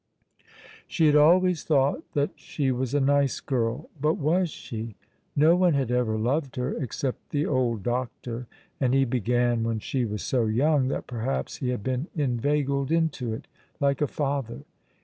She had always thought that she was a nice girl, but was she? No one had ever loved her, except the old doctor, and he began when she was so young that perhaps he had been inveigled into it, like a father.